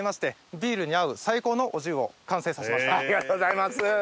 ありがとうございます。